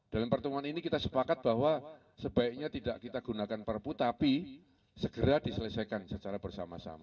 dalam pertemuan ini kita sepakat bahwa sebaiknya tidak kita gunakan perpu tapi segera diselesaikan secara bersama sama